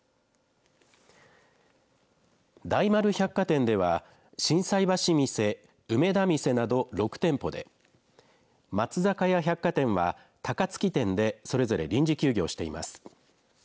大丸百貨店では、心斎橋店、梅田店など６店舗で、松坂屋百貨店では高槻店でそれぞれ臨時休業しています。